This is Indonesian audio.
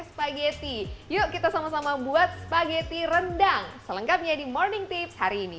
spageti yuk kita sama sama buat spaghetti rendang selengkapnya di morning tips hari ini